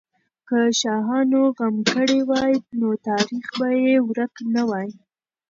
که شاهانو غم کړی وای، نو تاریخ به یې ورک نه وای.